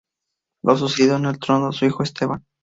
Le sucedió en el trono su hijo Esteban.